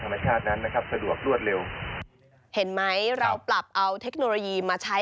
การศึกษาเรียนรู้ได้ด้วยส่วนเอง